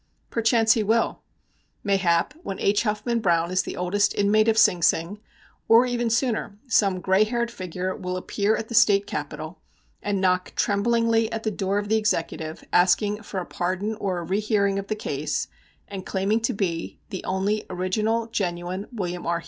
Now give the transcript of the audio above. Perchance he will. Mayhap, when H. Huffman Browne is the oldest inmate of Sing Sing, or even sooner, some gray haired figure will appear at the State Capitol, and knock tremblingly at the door of the Executive, asking for a pardon or a rehearing of the case, and claiming to be the only original, genuine William R.